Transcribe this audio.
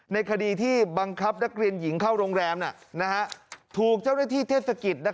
ในคดีที่บังคับนักเรียนหญิงเข้าโรงแรมถูกเจ้าหน้าที่เทศกิจ